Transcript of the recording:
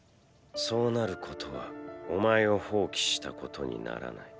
そうなることはお前を放棄したことにならない。